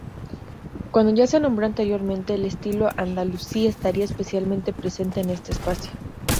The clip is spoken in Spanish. Como ya se nombró anteriormente, el estilo andalusí estaría especialmente presente en este espacio.